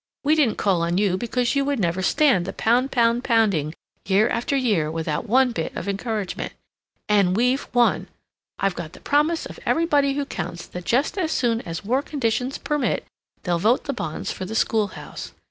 We didn't call on you because you would never stand the pound pound pounding year after year without one bit of encouragement. And we've won! I've got the promise of everybody who counts that just as soon as war conditions permit, they'll vote the bonds for the schoolhouse.